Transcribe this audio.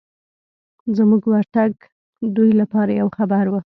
زموږ ورتګ دوی لپاره یو خبر و.